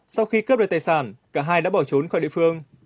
sau khi cướp được tài sản cả hai đã bỏ trốn khỏi địa phương